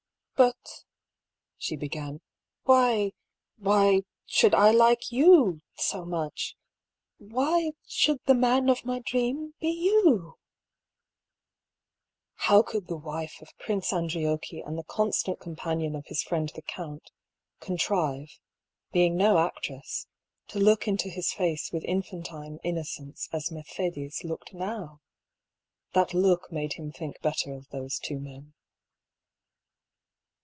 "But — she began — "why — why — should I like you so much — ^why should the man of my dream be How could the wife of Prince Andriocchi and the constant companion of his friend the count, contrive, be ing no actress, to look into his face with infantine inno cence as Mercedes looked now ? That look made him think better of those two men.